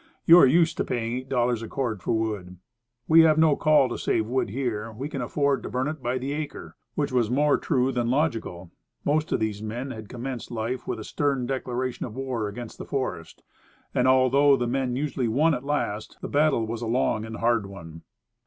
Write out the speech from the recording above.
You are used to paying $8.00 a cord for wood. We have no call to save A Winter Camft.. 45 wood here. We can afford to burn it by the acre." Which was more true than logical. Most of these men had commenced life with a stern declaration of war against the forest; and, although the men usually won at last, the battle was a long and hard one.